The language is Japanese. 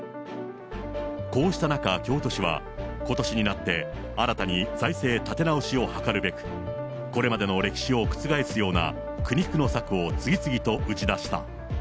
こうした中、京都市は、ことしになって、新たに財政立て直しを図るべく、これまでの歴史を覆すような苦肉の策を次々と打ち出した。